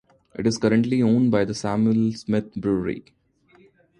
It is currently owned by the Samuel Smith Brewery.